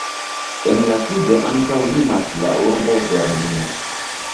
En la sudo ankaŭ limas la urbo Berlino.